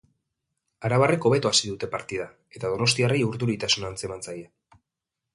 Arabarrek hobeto hasi dute partida eta donostiarrei urduritasuna antzeman zaie.